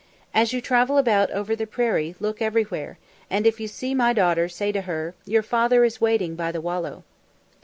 As you travel about over the prairie, look everywhere, and if you see my daughter say to her, 'Your father is waiting by the wallow.'"